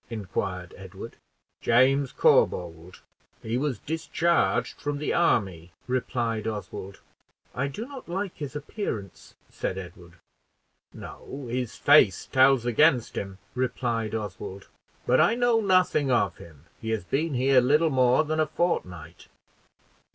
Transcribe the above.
inquired Edward. "James Corbould; he was discharged from the army," replied Oswald. "I do not like his appearance," said Edward. "No; his face tells against him," replied Oswald; "but I know nothing of him; he has been here little more than a fortnight."